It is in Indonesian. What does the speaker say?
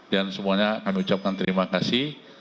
dan semuanya kami ucapkan terima kasih